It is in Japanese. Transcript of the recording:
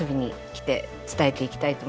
伝えていきたいと思います。